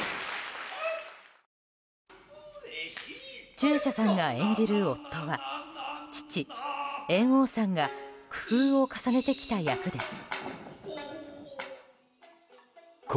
中車さんが演じる夫は父・猿翁さんが工夫を重ねてきた役です。